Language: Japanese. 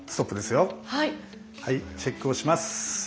はいチェックをします！